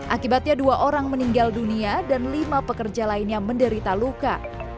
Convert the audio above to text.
akibatnya dua orang meninggal dunia dan lima pekerja lainnya menderita luka